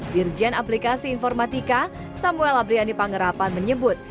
dirjen aplikasi informatika samuel abriani pangerapan menyebut